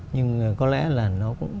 nhưng có lẽ là nó cũng